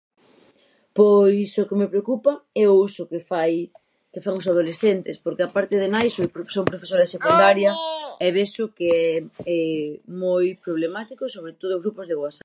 Pois o que me preocupa é o uso que fai, que fan os adolescentes porque a parte de nai son profeso- profesora de secundaria e vexo que é moi problemático, sobre todo os grupos de Whatsapp.